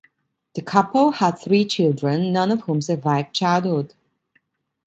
The couple had three children, none of whom survived childhood.